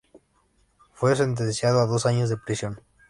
Fue sentenciado a dos años de prisión.